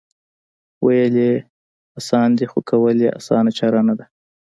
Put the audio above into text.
وېل یې اسان دي خو کول یې اسانه چاره نه ده